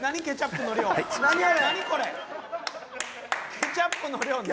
ケチャップの量何？